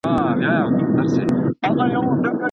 مسلمان تر غير مسلمان اعلی دی.